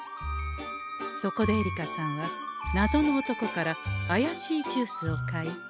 そこでえりかさんはなぞの男からあやしいジュースを買い。